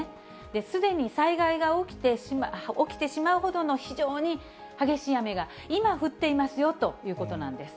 すでに災害が起きてしまうほどの非常に激しい雨が、今降っていますよということなんです。